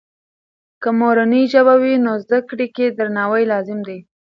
که مورنۍ ژبه وي، نو زده کړې کې درناوی لازم دی.